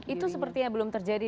itu sepertinya belum terjadi